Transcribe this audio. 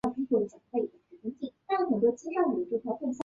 梅梅尔斯是德国图林根州的一个市镇。